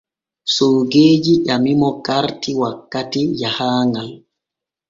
Soogeeji ƴamimo karti wakkati jahaaŋal.